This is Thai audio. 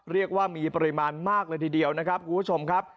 เรียกว่ามีปริมาณมากเลยทีเดียวนะครับคุณผู้ชมครับ